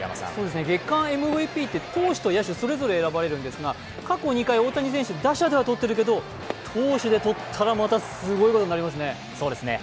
月間ＭＶＰって投手と野手、それぞれ選ばれるんですが、過去２回、大谷選手打者では取っているけど、投手でとったらまたすごいことになりますね。